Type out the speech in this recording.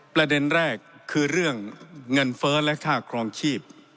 ประเด็นแรกคือเรื่องเงินเฟ้อและค่าครองชีพ